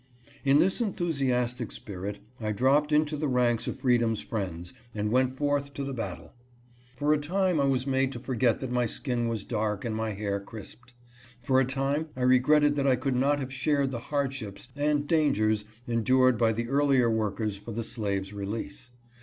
In this enthusiastic spirit I dropped into the ranks of freedom's friends and went forth to the battle. For a time I was made to forget that my skin was dark and my hair crisped. For a time I regretted that I could not have shared the hardships and dangers endured by the earlier workers for the slave's release.